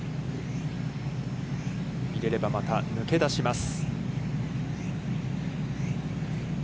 入れれば、また抜け出します。